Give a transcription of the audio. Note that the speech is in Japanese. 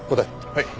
はい。